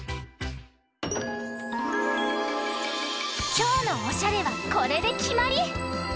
きょうのおしゃれはこれできまり！